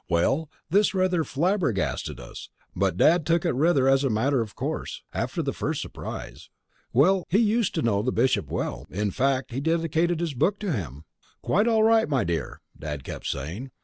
Well, this rather flabbergasted us, but Dad took it rather as a matter of course, after the first surprise. He used to know the Bishop well in fact, he dedicated his book to him. "Quite all right, my dear," Dad kept saying.